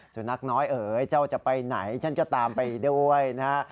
สุนัขน้อยเอ๋ยเจ้าจะไปไหนฉันก็ตามไปด้วยนะฮะ